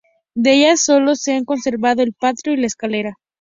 De ellas solo se han conservado el patio y la escalera.